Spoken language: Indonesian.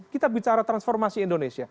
kita bicara transformasi indonesia